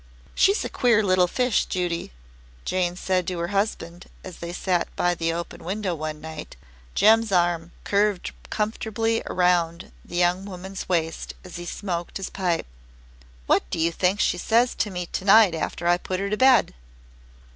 "She's a queer little fish, Judy," Jane said to her husband as they sat by the open window one night, Jem's arm curved comfortably around the young woman's waist as he smoked his pipe. "What do you think she says to me to night after I put her to bed?"